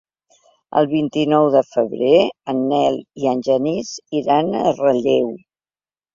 El vint-i-nou de febrer en Nel i en Genís iran a Relleu.